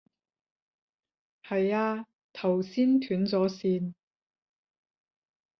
係啊，頭先斷咗線